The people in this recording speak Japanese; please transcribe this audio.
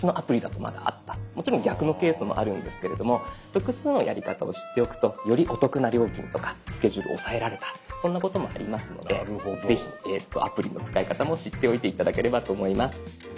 もちろん逆のケースもあるんですけれども複数のやり方を知っておくとよりお得な料金とかスケジュール押さえられたそんなこともありますのでぜひアプリの使い方も知っておいて頂ければと思います。